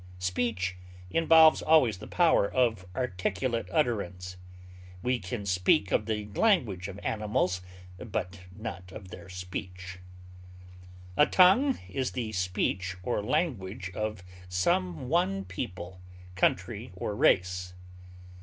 Speech involves always the power of articulate utterance; we can speak of the language of animals, but not of their speech. A tongue is the speech or language of some one people, country, or race.